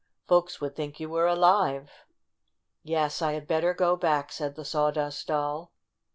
Folks would think you were alive." "Yes, I had better go back," said the Sawdust Doll.